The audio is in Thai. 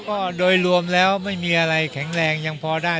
ก็โดยรวมแล้วไม่มีอะไรแข็งแรงยังพอได้